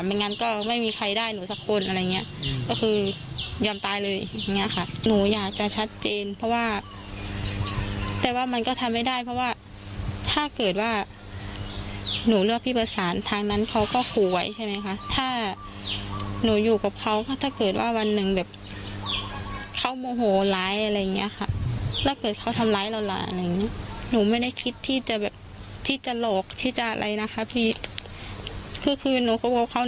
ไม่งั้นก็ไม่มีใครได้หนูสักคนอะไรอย่างเงี้ยก็คือยอมตายเลยอย่างเงี้ยค่ะหนูอยากจะชัดเจนเพราะว่าแต่ว่ามันก็ทำไม่ได้เพราะว่าถ้าเกิดว่าหนูเลือกพี่ประสานทางนั้นเขาก็ขู่ไว้ใช่ไหมคะถ้าหนูอยู่กับเขาถ้าเกิดว่าวันหนึ่งแบบเขาโมโหร้ายอะไรอย่างเงี้ยค่ะถ้าเกิดเขาทำร้ายเราล่ะอะไรอย่างเงี้ยหนูไม่ได้คิดที่จะแบบที่จะหลอกที่จะอะไรนะคะพี่คือคือหนูเขาบอกเขา